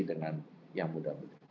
dengan yang muda